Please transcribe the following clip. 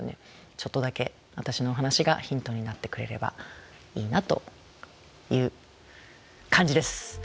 ちょっとだけ私のお話がヒントになってくれればいいなという感じです。